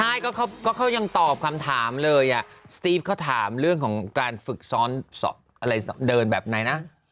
ไทยก็ยังตอบคำถามเลยเสตีฟเขาถามเรื่องของการฝึกสอนสอนเรื่องดูนแบบในนะ